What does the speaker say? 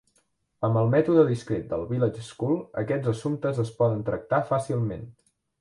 Amb el mètode discret del Village School aquests assumptes es poden tractar fàcilment.